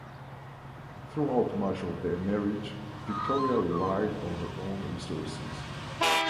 Throughout much of their marriage, Victoria relied on her own resources.